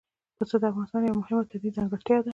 پسه د افغانستان یوه مهمه طبیعي ځانګړتیا ده.